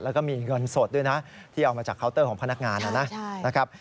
แล้วก็มีเงินสดด้วยนะที่เอามาจากเคาน์เตอร์ของพนักงานนะครับ